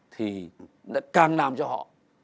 thì đã càng làm cho họ